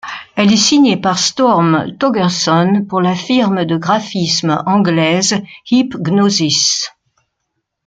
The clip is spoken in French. Elle est signée par Storm Thorgerson pour la firme de graphisme anglaise Hipgnosis.